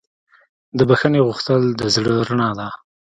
د بښنې غوښتل د زړه رڼا ده.